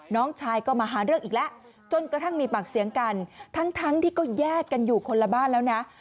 น้องชายก็มาหาเรื่องอีกแล้วจนกระทั่งมีปากเสียงกันทั้งที่ก็แยกกันอยู่คนละบ้านแล้วนะ